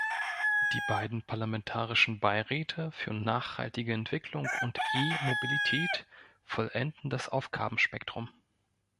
Die beiden parlamentarischen Beiräte für nachhaltige Entwicklung und E-Mobilität vollenden das Aufgabenspektrum.